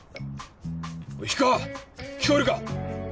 おい氷川聞こえるか？